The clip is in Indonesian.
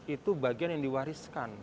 itu bagian yang diwariskan